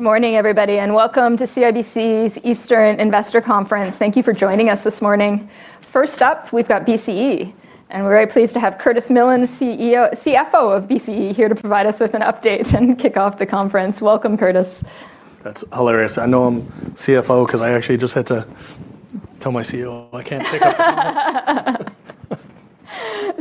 Morning, everybody, and welcome to CIBC's Eastern Investor Conference. Thank you for joining us this morning. First up, we've got BCE, and we're very pleased to have Curtis Millen, CFO of BCE, here to provide us with an update and kick off the conference. Welcome, Curtis. That's hilarious. I know I'm CFO because I actually just had to tell my CEO I can't take it.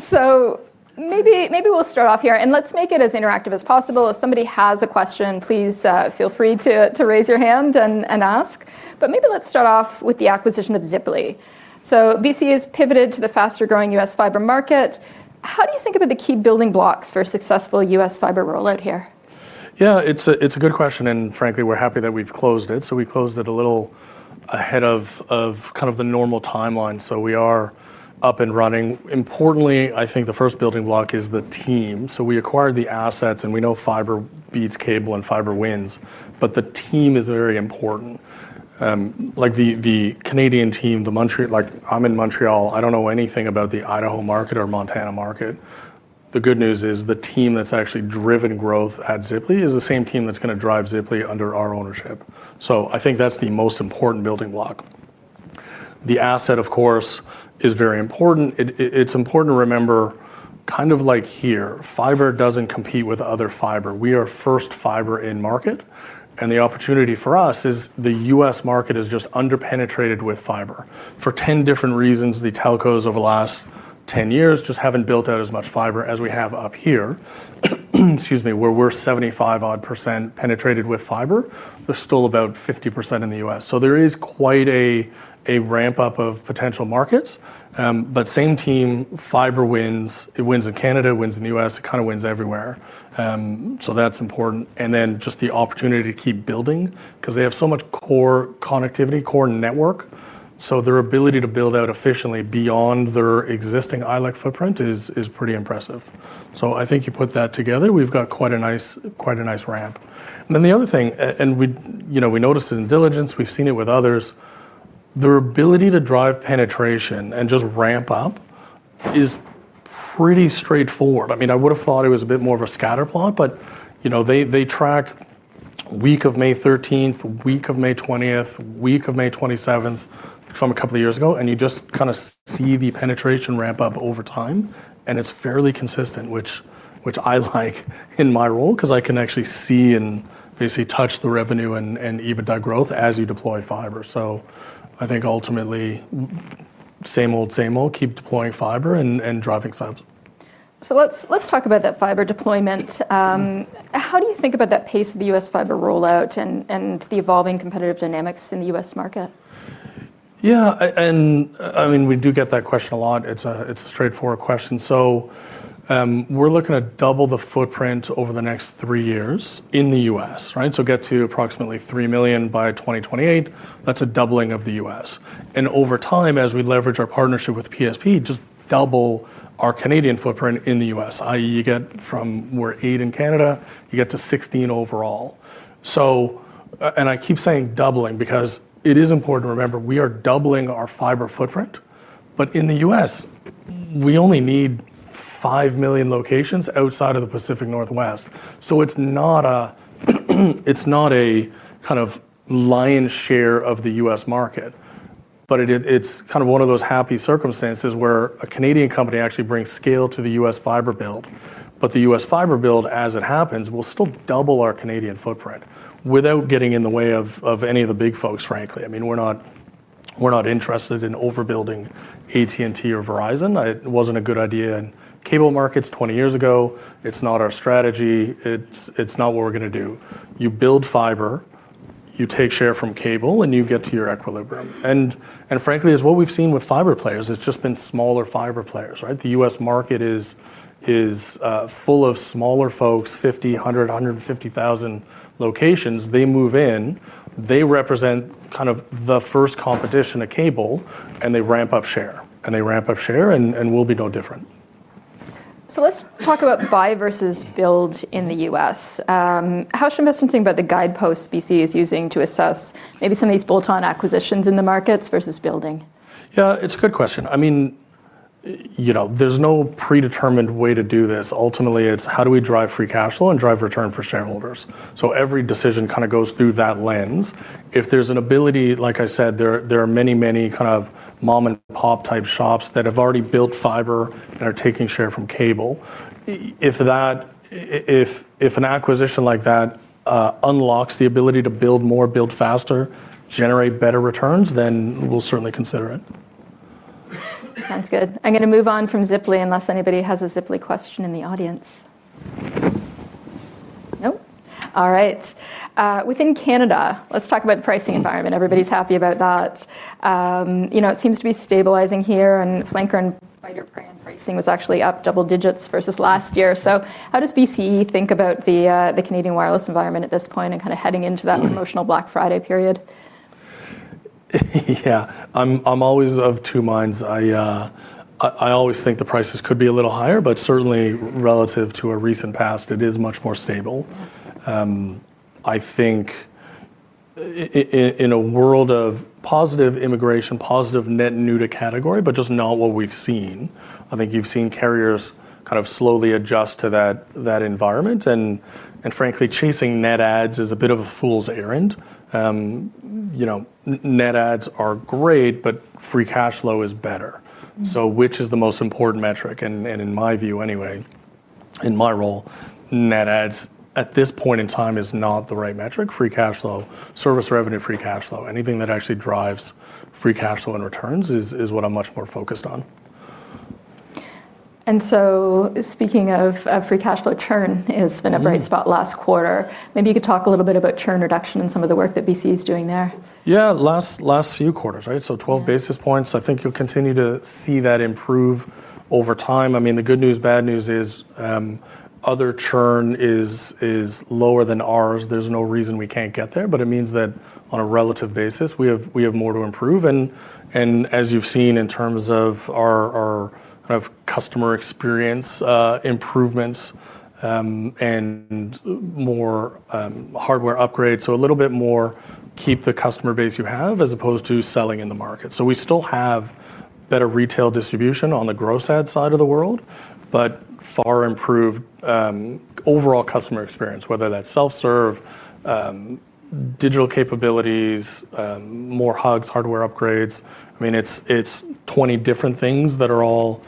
Maybe we'll start off here, and let's make it as interactive as possible. If somebody has a question, please feel free to raise your hand and ask. Let's start off with the acquisition of Ziply. BCE has pivoted to the faster-growing U.S. fiber market. How do you think about the key building blocks for a successful U.S. fiber rollout here? Yeah, it's a good question, and frankly, we're happy that we've closed it. We closed it a little ahead of kind of the normal timeline, so we are up and running. Importantly, I think the first building block is the team. We acquired the assets, and we know fiber beats cable and fiber wins, but the team is very important. Like the Canadian team, the Montreal, like I'm in Montreal. I don't know anything about the Idaho market or Montana market. The good news is the team that's actually driven growth at Ziply is the same team that's going to drive Ziply under our ownership. I think that's the most important building block. The asset, of course, is very important. It's important to remember, kind of like here, fiber doesn't compete with other fiber. We are first fiber in market, and the opportunity for us is the U.S. market is just underpenetrated with fiber for 10 different reasons. The telcos over the last 10 years just haven't built out as much fiber as we have up here. Excuse me, where we're 75% odd penetrated with fiber, there's still about 50% in the U.S. There is quite a ramp-up of potential markets, but same team, fiber wins. It wins in Canada, wins in the U.S., kind of wins everywhere. That's important. The opportunity to keep building because they have so much core connectivity, core network. Their ability to build out efficiently beyond their existing ILEC footprint is pretty impressive. I think you put that together. We've got quite a nice ramp. The other thing, and we noticed it in diligence, we've seen it with others, their ability to drive penetration and just ramp up is pretty straightforward. I mean, I would have thought it was a bit more of a scatter plot, but you know they track week of May 13th, week of May 20th, week of May 27th from a couple of years ago, and you just kind of see the penetration ramp up over time. It's fairly consistent, which I like in my role because I can actually see and basically touch the revenue and EBITDA growth as you deploy fiber. I think ultimately, same old, same old, keep deploying fiber and driving subs. Let's talk about that fiber deployment. How do you think about that pace of the US fiber rollout and the evolving competitive dynamics in the US market? Yeah, and I mean, we do get that question a lot. It's a straightforward question. We're looking at double the footprint over the next three years in the U.S., right? Get to approximately 3 million by 2028. That's a doubling of the U.S. Over time, as we leverage our partnership with PSP Investments, just double our Canadian footprint in the U.S., i.e., you get from we're 8 in Canada, you get to 16 overall. I keep saying doubling because it is important to remember we are doubling our fiber footprint, but in the U.S., we only need 5 million locations outside of the Pacific Northwest. It's not a kind of lion's share of the U.S. market, but it's kind of one of those happy circumstances where a Canadian company actually brings scale to the U.S. fiber build. The U.S. fiber build, as it happens, will still double our Canadian footprint without getting in the way of any of the big folks, frankly. I mean, we're not interested in overbuilding AT&T or Verizon. It wasn't a good idea in cable markets 20 years ago. It's not our strategy. It's not what we're going to do. You build fiber, you take share from cable, and you get to your equilibrium. Frankly, as what we've seen with fiber players, it's just been smaller fiber players, right? The U.S. market is full of smaller folks, 50, 100, 150,000 locations. They move in, they represent kind of the first competition to cable, and they ramp up share, and they ramp up share, and we'll be no different. Let's talk about buy versus build in the US. How should we think about the guideposts BCE is using to assess maybe some of these bolt-on acquisitions in the markets versus building? Yeah, it's a good question. There's no predetermined way to do this. Ultimately, it's how do we drive free cash flow and drive return for shareholders? Every decision kind of goes through that lens. If there's an ability, like I said, there are many, many kind of mom-and-pop type shops that have already built fiber and are taking share from cable. If an acquisition like that unlocks the ability to build more, build faster, generate better returns, then we'll certainly consider it. Sounds good. I'm going to move on from Ziply unless anybody has a Ziply question in the audience. Nope. All right. Within Canada, let's talk about the pricing environment. Everybody's happy about that. You know it seems to be stabilizing here, and flanker and pricing was actually up double digits versus last year. How does BCE think about the Canadian wireless environment at this point and kind of heading into that emotional Black Friday period? Yeah, I'm always of two minds. I always think the prices could be a little higher, but certainly relative to a recent past, it is much more stable. I think in a world of positive immigration, positive net new to category, but just not what we've seen. I think you've seen carriers kind of slowly adjust to that environment, and frankly, chasing net adds is a bit of a fool's errand. Net adds are great, but free cash flow is better. Which is the most important metric? In my view, anyway, in my role, net adds at this point in time is not the right metric. Free cash flow, service revenue, free cash flow, anything that actually drives free cash flow and returns is what I'm much more focused on. Speaking of free cash flow, churn has been a bright spot last quarter. Maybe you could talk a little bit about churn reduction and some of the work that BCE is doing there. Yeah, last few quarters, right? 12 basis points. I think you'll continue to see that improve over time. The good news, bad news is other churn is lower than ours. There's no reason we can't get there, but it means that on a relative basis, we have more to improve. As you've seen in terms of our kind of customer experience improvements and more hardware upgrades, a little bit more keep the customer base you have as opposed to selling in the market. We still have better retail distribution on the gross ad side of the world, but far improved overall customer experience, whether that's self-serve, digital capabilities, more hugs, hardware upgrades. It's 20 different things that are all,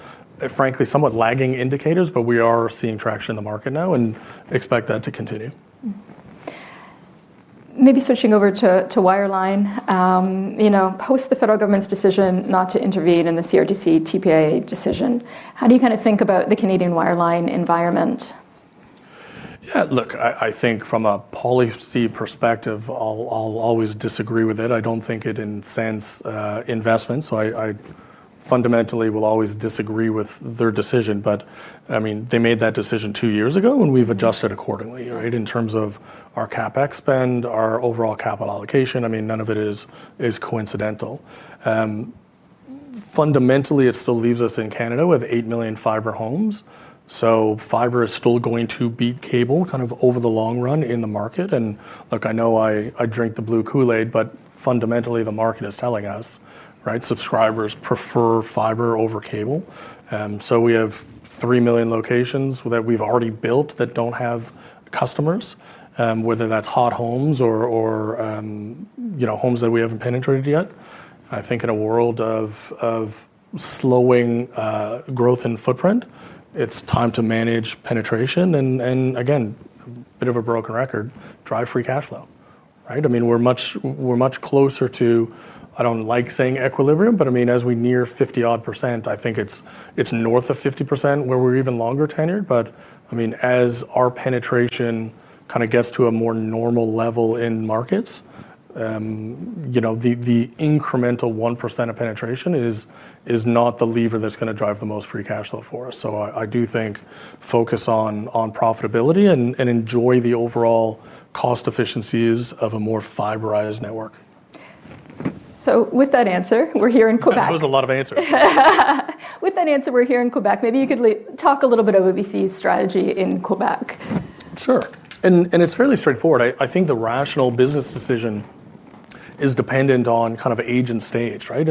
frankly, somewhat lagging indicators, but we are seeing traction in the market now and expect that to continue. Maybe switching over to wireline, post the federal government's decision not to intervene in the CRTC TPA decision. How do you kind of think about the Canadian wireline environment? Yeah, look, I think from a policy perspective, I'll always disagree with it. I don't think it incents investments. I fundamentally will always disagree with their decision. They made that decision two years ago, and we've adjusted accordingly, right, in terms of our CapEx spend, our overall capital allocation. None of it is coincidental. Fundamentally, it still leaves us in Canada with 8 million fiber homes. Fiber is still going to beat cable over the long run in the market. I know I drink the blue Kool-Aid, but fundamentally, the market is telling us, right, subscribers prefer fiber over cable. We have 3 million locations that we've already built that don't have customers, whether that's hot homes or homes that we haven't penetrated yet. I think in a world of slowing growth in footprint, it's time to manage penetration. Again, a bit of a broken record, drive free cash flow, right? We're much closer to, I don't like saying equilibrium, but as we near 50-odd %, I think it's north of 50% where we're even longer tenured. As our penetration gets to a more normal level in markets, the incremental 1% of penetration is not the lever that's going to drive the most free cash flow for us. I do think focus on profitability and enjoy the overall cost efficiencies of a more fiberized network. With that answer, we're here in Quebec. That was a lot of answers. With that answer, we're here in Quebec. Maybe you could talk a little bit about BCE's strategy in Quebec. Sure. It's fairly straightforward. I think the rational business decision is dependent on kind of age and stage, right?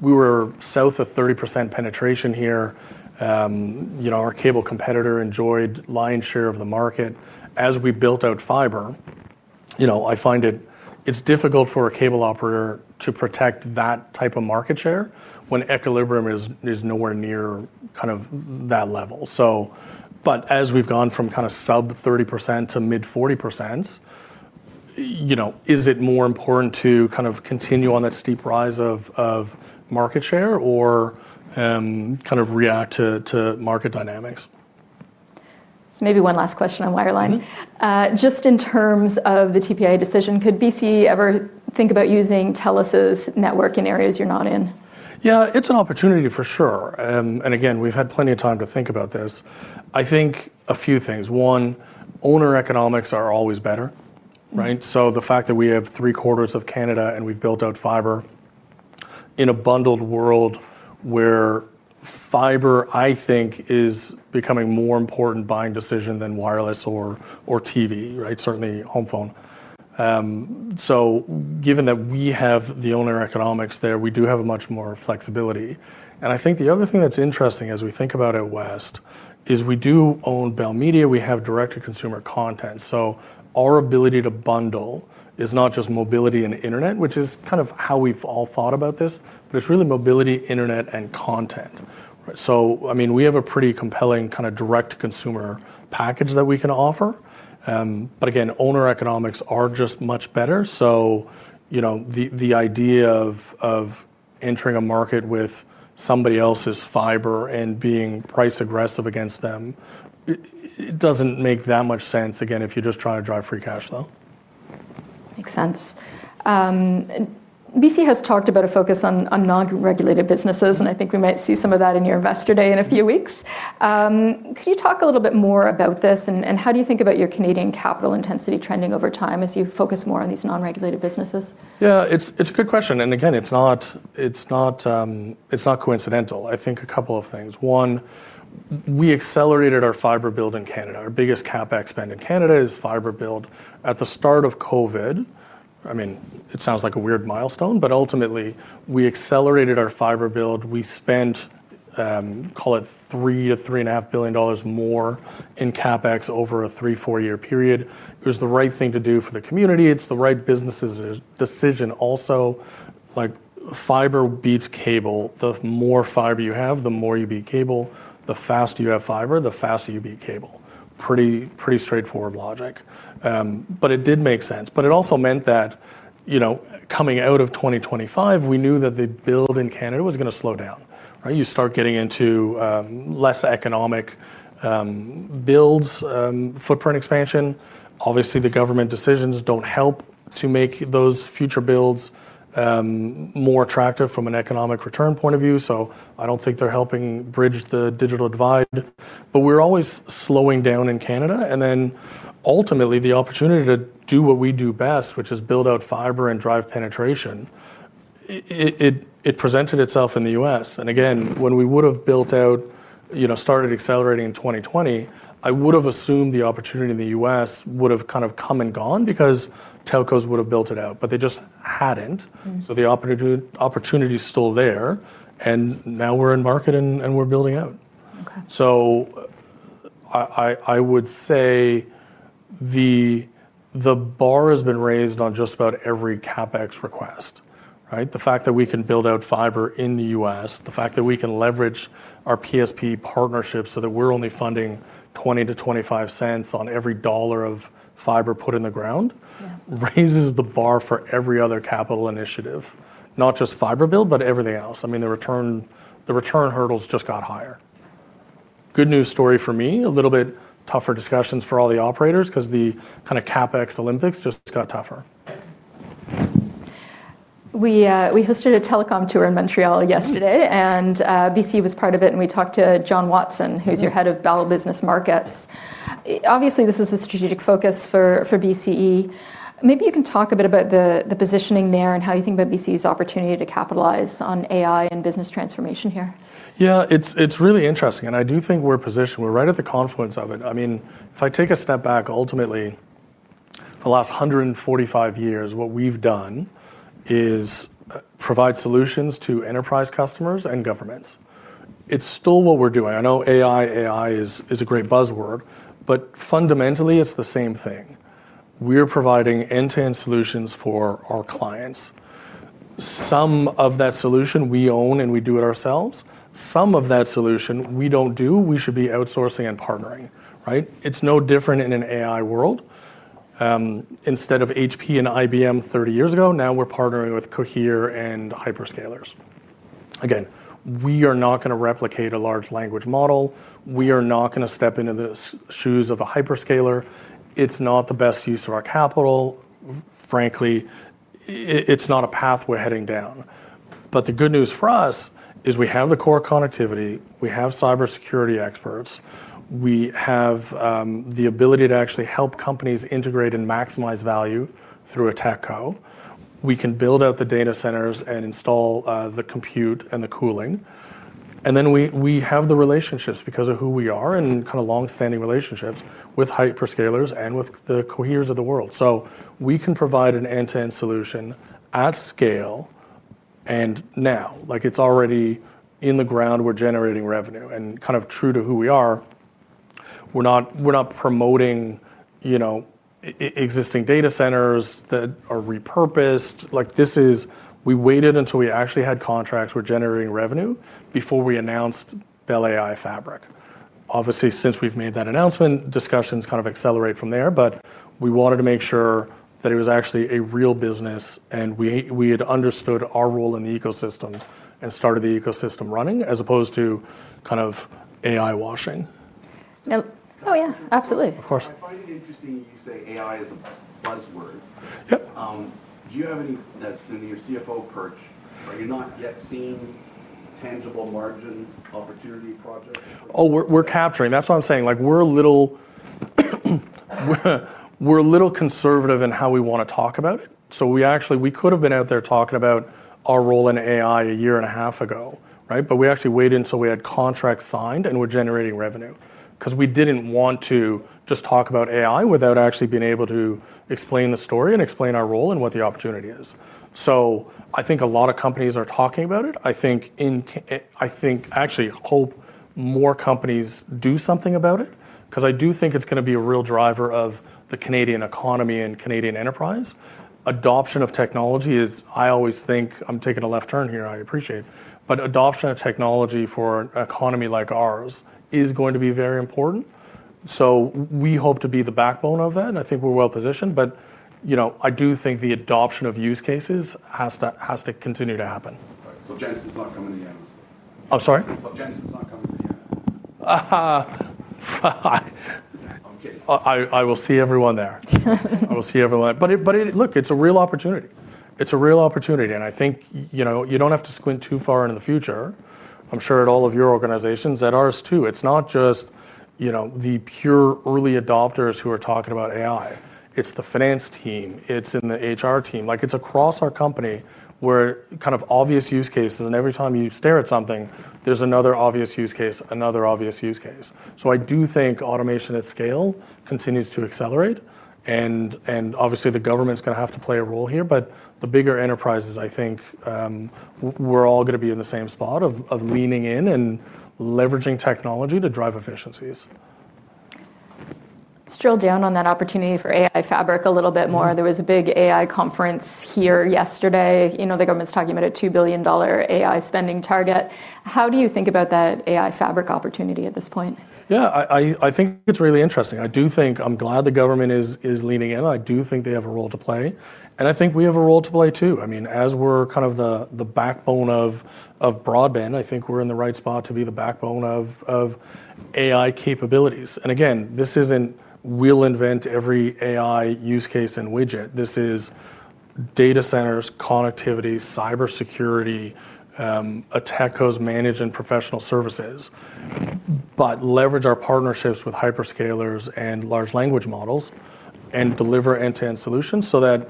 We were south of 30% penetration here. Our cable competitor enjoyed lion's share of the market. As we built out fiber, I find it's difficult for a cable operator to protect that type of market share when equilibrium is nowhere near that level. As we've gone from kind of sub 30% to mid 40%, is it more important to continue on that steep rise of market share or react to market dynamics? Maybe one last question on wireline. Just in terms of the TPA decision, could BCE ever think about using TELUS's network in areas you're not in? Yeah, it's an opportunity for sure. We've had plenty of time to think about this. I think a few things. One, owner economics are always better, right? The fact that we have three quarters of Canada and we've built out fiber in a bundled world where fiber, I think, is becoming a more important buying decision than wireless or TV, right? Certainly home phone. Given that we have the owner economics there, we do have much more flexibility. I think the other thing that's interesting as we think about it west is we do own Bell Media. We have direct-to-consumer content. Our ability to bundle is not just mobility and internet, which is kind of how we've all thought about this, but it's really mobility, internet, and content. I mean, we have a pretty compelling kind of direct-to-consumer package that we can offer. Owner economics are just much better. The idea of entering a market with somebody else's fiber and being price aggressive against them doesn't make that much sense, again, if you're just trying to drive free cash flow. Makes sense. BCE has talked about a focus on non-regulated businesses, and I think we might see some of that in your Investor Day in a few weeks. Could you talk a little bit more about this and how do you think about your Canadian capital intensity trending over time as you focus more on these non-regulated businesses? Yeah, it's a good question. Again, it's not coincidental. I think a couple of things. One, we accelerated our fiber build in Canada. Our biggest CapEx spend in Canada is fiber build at the start of COVID. I mean, it sounds like a weird milestone, but ultimately, we accelerated our fiber build. We spent, call it, $3 to $3.5 billion more in CapEx over a three- to four-year period. It was the right thing to do for the community. It's the right business decision. Also, like fiber beats cable. The more fiber you have, the more you beat cable. The faster you have fiber, the faster you beat cable. Pretty straightforward logic. It did make sense. It also meant that, you know, coming out of 2025, we knew that the build in Canada was going to slow down. You start getting into less economic builds, footprint expansion. Obviously, the government decisions don't help to make those future builds more attractive from an economic return point of view. I don't think they're helping bridge the digital divide. We're always slowing down in Canada. Ultimately, the opportunity to do what we do best, which is build out fiber and drive penetration, it presented itself in the U.S. When we would have built out, you know, started accelerating in 2020, I would have assumed the opportunity in the U.S. would have kind of come and gone because telcos would have built it out, but they just hadn't. The opportunity is still there. Now we're in market and we're building out. Okay, I would say the bar has been raised on just about every CapEx request, right? The fact that we can build out fiber in the U.S., the fact that we can leverage our PSP Investments partnership so that we're only funding $0.20 to $0.25 on every dollar of fiber put in the ground raises the bar for every other capital initiative, not just fiber build, but everything else. I mean, the return hurdles just got higher. Good news story for me, a little bit tougher discussions for all the operators because the kind of CapEx Olympics just got tougher. We hosted a telecom tour in Montreal yesterday, and BCE was part of it. We talked to John Watson, who's your Head of Bell Business Markets. Obviously, this is a strategic focus for BCE. Maybe you can talk a bit about the positioning there and how you think about BCE's opportunity to capitalize on AI and business transformation here. Yeah, it's really interesting. I do think we're positioned, we're right at the confluence of it. If I take a step back, ultimately, for the last 145 years, what we've done is provide solutions to enterprise customers and governments. It's still what we're doing. I know AI is a great buzzword, but fundamentally, it's the same thing. We're providing end-to-end solutions for our clients. Some of that solution we own and we do it ourselves. Some of that solution we don't do. We should be outsourcing and partnering, right? It's no different in an AI world. Instead of HP and IBM 30 years ago, now we're partnering with Cohere and hyperscalers. We are not going to replicate a large language model. We are not going to step into the shoes of a hyperscaler. It's not the best use of our capital. Frankly, it's not a path we're heading down. The good news for us is we have the core connectivity. We have cybersecurity experts. We have the ability to actually help companies integrate and maximize value through a techco. We can build out the data centers and install the compute and the cooling. We have the relationships because of who we are and kind of long-standing relationships with hyperscalers and with the Cohere's of the world. We can provide an end-to-end solution at scale and now, like it's already in the ground, we're generating revenue and kind of true to who we are. We're not promoting, you know, existing data centers that are repurposed. We waited until we actually had contracts with generating revenue before we announced Bell AI Fabric. Obviously, since we've made that announcement, discussions kind of accelerate from there, but we wanted to make sure that it was actually a real business and we had understood our role in the ecosystem and started the ecosystem running as opposed to kind of AI washing. Oh yeah, absolutely. Of course. I find it interesting you say AI is a buzzword. Do you have any, I mean, you're CFO, Curtis, are you not yet seeing tangible margin opportunity? We're capturing. That's what I'm saying. We're a little conservative in how we want to talk about it. We could have been out there talking about our role in AI a year and a half ago, right? We waited until we had contracts signed and were generating revenue because we didn't want to just talk about AI without actually being able to explain the story and explain our role and what the opportunity is. I think a lot of companies are talking about it. I actually hope more companies do something about it because I do think it's going to be a real driver of the Canadian economy and Canadian enterprise. Adoption of technology is, I always think I'm taking a left turn here, I appreciate it, but adoption of technology for an economy like ours is going to be very important. We hope to be the backbone of that. I think we're well positioned, but I do think the adoption of use cases has to continue to happen. Genesis is not coming to the apps. I'm sorry? Genesis is not coming to the apps. I will see everyone there. I will see everyone there. Look, it's a real opportunity. It's a real opportunity. I think, you know, you don't have to squint too far into the future. I'm sure at all of your organizations, at ours too, it's not just, you know, the pure early adopters who are talking about AI. It's the finance team. It's the HR team. It's across our company where kind of obvious use cases, and every time you stare at something, there's another obvious use case, another obvious use case. I do think automation at scale continues to accelerate. Obviously, the government's going to have to play a role here, but the bigger enterprises, I think we're all going to be in the same spot of leaning in and leveraging technology to drive efficiencies. Let's drill down on that opportunity for Bell AI Fabric a little bit more. There was a big AI conference here yesterday. You know, the government's talking about a $2 billion AI spending target. How do you think about that Bell AI Fabric opportunity at this point? Yeah, I think it's really interesting. I do think I'm glad the government is leaning in. I do think they have a role to play. I think we have a role to play too. I mean, as we're kind of the backbone of broadband, I think we're in the right spot to be the backbone of AI capabilities. This isn't we'll invent every AI use case and widget. This is data centers, connectivity, cybersecurity, a techco's managed and professional services, but leverage our partnerships with hyperscalers and large language models and deliver end-to-end solutions so that,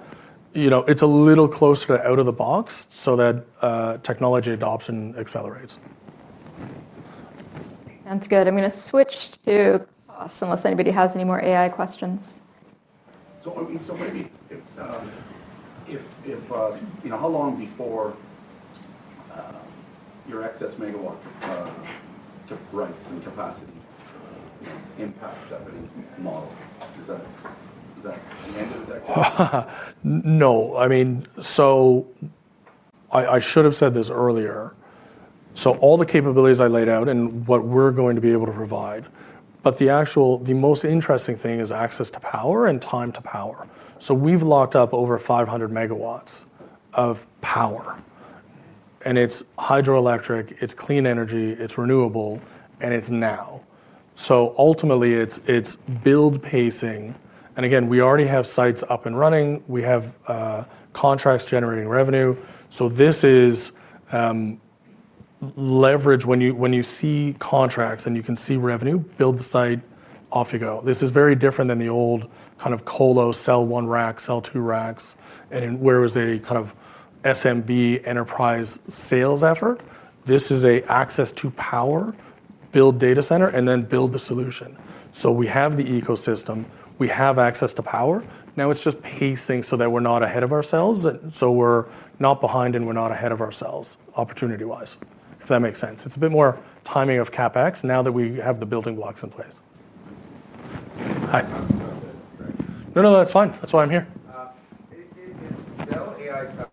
you know, it's a little closer to out of the box so that technology adoption accelerates. Sounds good. I'm going to switch to cost unless anybody has any more AI questions. How long before your excess megawatt to price and capacity impact on the model? I should have said this earlier. All the capabilities I laid out and what we're going to be able to provide, the most interesting thing is access to power and time to power. We've locked up over 500 megawatts of power. It's hydroelectric, it's clean energy, it's renewable, and it's now. Ultimately, it's build pacing. We already have sites up and running. We have contracts generating revenue. This is leverage when you see contracts and you can see revenue, build the site, off you go. This is very different than the old kind of colo, sell one rack, sell two racks. Where was a kind of SMB enterprise sales effort? This is an access to power, build data center, and then build the solution. We have the ecosystem, we have access to power. Now it's just pacing so that we're not ahead of ourselves. We're not behind and we're not ahead of ourselves opportunity-wise, if that makes sense. It's a bit more timing of CapEx now that we have the building blocks in place. Hi. No, that's fine. That's why I'm here. Because you're not just providing a box, but any infrastructure, you're providing the power. Yep. Is this like a very specialized?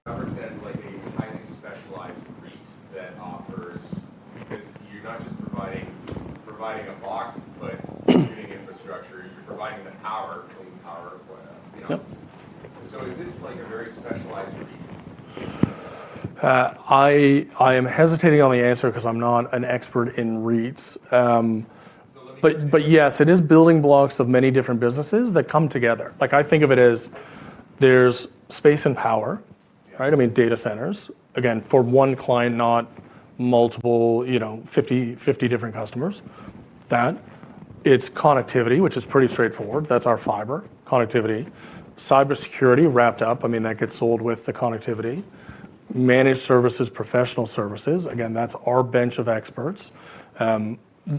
I am hesitating on the answer because I'm not an expert in REITs. Yes, it is building blocks of many different businesses that come together. I think of it as there's space and power, right? I mean, data centers, again, for one client, not multiple, you know, 50 different customers. That, it's connectivity, which is pretty straightforward. That's our fiber, connectivity, cybersecurity wrapped up. That gets sold with the connectivity, managed services, professional services. That's our bench of experts.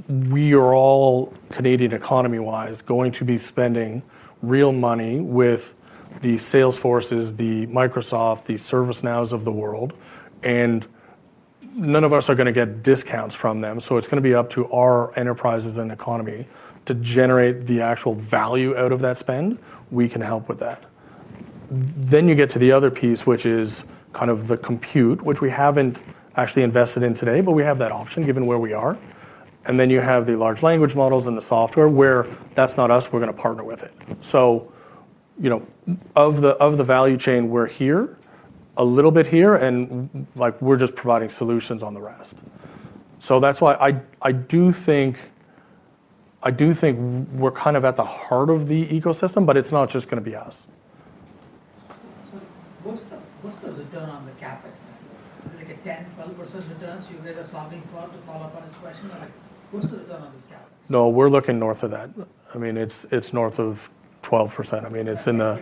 We are all Canadian economy-wise going to be spending real money with the Salesforces, the Microsoft, the ServiceNows of the world. None of us are going to get discounts from them. It is going to be up to our enterprises and economy to generate the actual value out of that spend. We can help with that. You get to the other piece, which is kind of the compute, which we haven't actually invested in today, but we have that option given where we are. You have the large language models and the software where that's not us. We're going to partner with it. Of the value chain, we're here a little bit here, and we're just providing solutions on the rest. I do think we're kind of at the heart of the ecosystem, but it's not just going to be us. So. What's the return on the CapEx? Like a 10, 12% returns you guys are solving for to follow up on this question? What's the return on this CapEx? No, we're looking north of that. I mean, it's north of 12%. I mean, it's in the,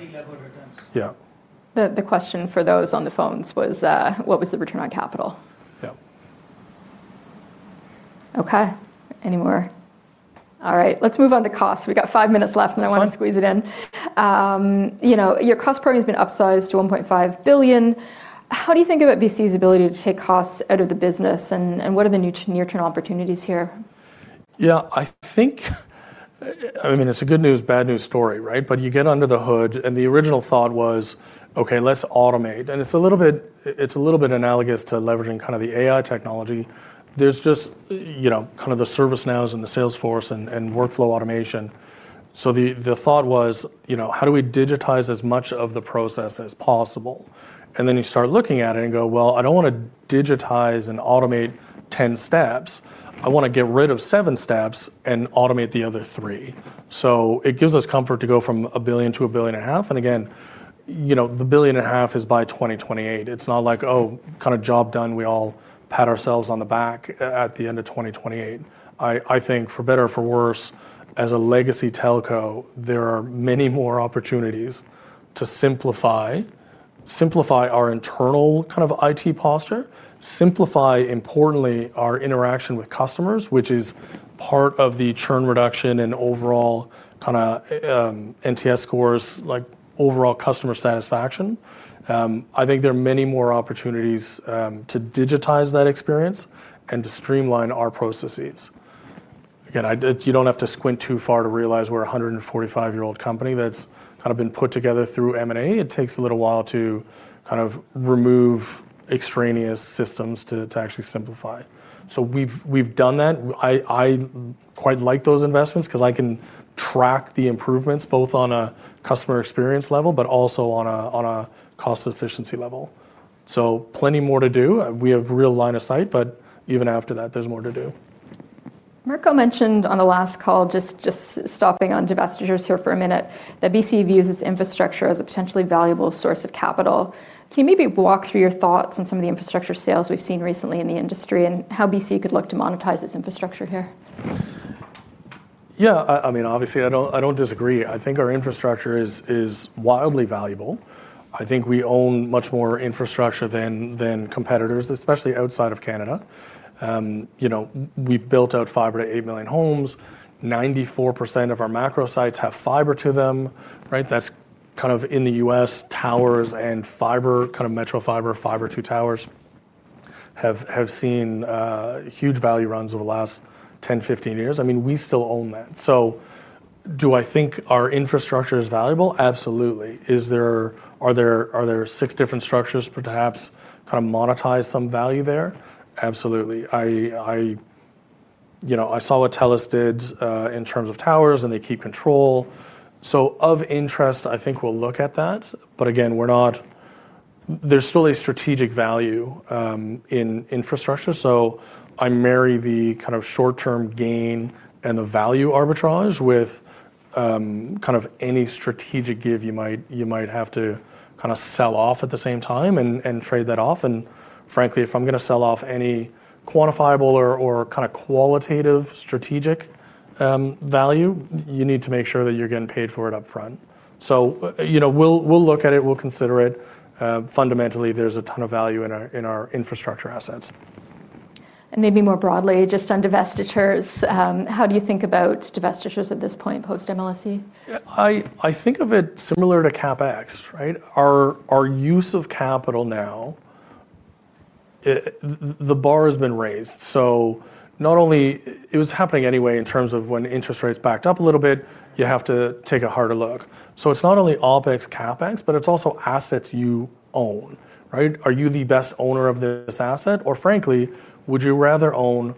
yeah. The question for those on the phones was, what was the return on capital? Yeah. Okay. Any more? All right, let's move on to cost. We've got five minutes left, and I want to squeeze it in. You know, your cost per party has been upsized to $1.5 billion. How do you think about BCE's ability to take costs out of the business, and what are the near-term opportunities here? Yeah, I think it's a good news, bad news story, right? You get under the hood, and the original thought was, okay, let's automate. It's a little bit analogous to leveraging kind of the AI technology. There's just, you know, kind of the ServiceNows and the Salesforce and workflow automation. The thought was, you know, how do we digitize as much of the process as possible? You start looking at it and go, I don't want to digitize and automate 10 steps. I want to get rid of seven steps and automate the other three. It gives us comfort to go from $1 billion to $1.5 billion. Again, the $1.5 billion is by 2028. It's not like, oh, kind of job done. We all pat ourselves on the back at the end of 2028. I think for better or for worse, as a legacy telco, there are many more opportunities to simplify, simplify our internal kind of IT posture, simplify importantly our interaction with customers, which is part of the churn reduction and overall kind of NTS scores, like overall customer satisfaction. I think there are many more opportunities to digitize that experience and to streamline our processes. You don't have to squint too far to realize we're a 145-year-old company that's kind of been put together through M&A. It takes a little while to remove extraneous systems to actually simplify. We've done that. I quite like those investments because I can track the improvements both on a customer experience level, but also on a cost efficiency level. Plenty more to do. We have a real line of sight, but even after that, there's more to do. Marco mentioned on the last call, just stopping on divestitures here for a minute, that BCE views its infrastructure as a potentially valuable source of capital. Can you maybe walk through your thoughts on some of the infrastructure sales we've seen recently in the industry and how BCE could look to monetize its infrastructure here? Yeah, I mean, obviously, I don't disagree. I think our infrastructure is wildly valuable. I think we own much more infrastructure than competitors, especially outside of Canada. We've built out fiber to 8 million homes. 94% of our macro sites have fiber to them, right? That's kind of in the U.S., towers and fiber, kind of metro fiber, fiber to towers have seen huge value runs over the last 10, 15 years. I mean, we still own that. Do I think our infrastructure is valuable? Absolutely. Are there six different structures perhaps to monetize some value there? Absolutely. I saw what TELUS did in terms of towers, and they keep control. Of interest, I think we'll look at that. We're not, there's still a strategic value in infrastructure. I marry the kind of short-term gain and the value arbitrage with any strategic give you might have to sell off at the same time and trade that off. Frankly, if I'm going to sell off any quantifiable or qualitative strategic value, you need to make sure that you're getting paid for it up front. We'll look at it. We'll consider it. Fundamentally, there's a ton of value in our infrastructure assets. More broadly, just on divestitures, how do you think about divestitures at this point post-MLSC? I think of it similar to CapEx, right? Our use of capital now, the bar has been raised. Not only, it was happening anyway in terms of when interest rates backed up a little bit, you have to take a harder look. It's not only OpEx, CapEx, but it's also assets you own, right? Are you the best owner of this asset? Or frankly, would you rather own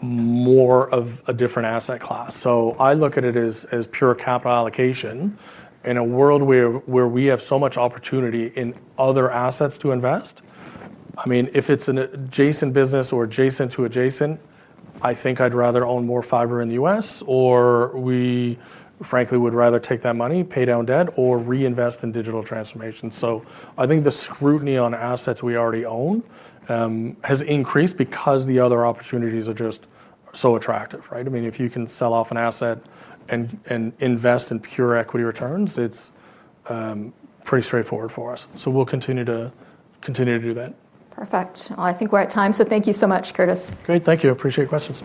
more of a different asset class? I look at it as pure capital allocation in a world where we have so much opportunity in other assets to invest. If it's an adjacent business or adjacent to adjacent, I think I'd rather own more fiber in the US, or we frankly would rather take that money, pay down debt, or reinvest in digital transformation. I think the scrutiny on assets we already own has increased because the other opportunities are just so attractive, right? If you can sell off an asset and invest in pure equity returns, it's pretty straightforward for us. We'll continue to do that. Perfect. I think we're at time, so thank you so much, Curtis. Great. Thank you. Appreciate your questions.